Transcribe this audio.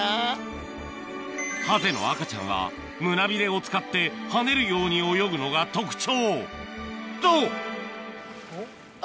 ハゼの赤ちゃんは胸ビレを使って跳ねるように泳ぐのが特徴と！